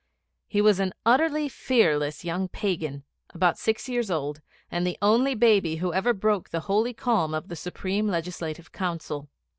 He was an utterly fearless young Pagan, about six years old, and the only baby who ever broke the holy calm of the Supreme Legislative Council.